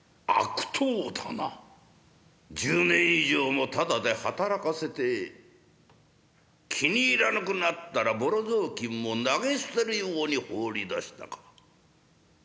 １０年以上もただで働かせて気に入らなくなったらぼろ雑巾も投げ捨てるように放り出したか。